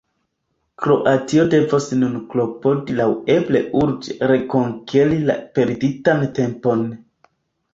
Kroatio devos nun klopodi laŭeble urĝe rekonkeri la perditan tempon.